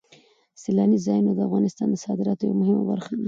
سیلاني ځایونه د افغانستان د صادراتو یوه برخه ده.